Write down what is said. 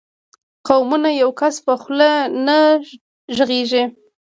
قومونه د یو کس په خوله نه غږېږي.